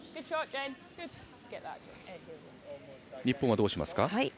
日本はどうしますか？